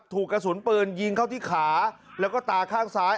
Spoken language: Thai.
ถูกกระสุนปืนยิงเข้าที่ขาแล้วก็ตาข้างซ้าย